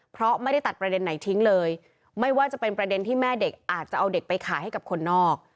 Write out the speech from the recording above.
เพราะไม่ได้ตัดประเด็นไหนทิ้งเลยไม่ว่าจะเป็นประเด็นที่แม่เด็กอาจจะเอาเด็กไปขายให้กับคนนอก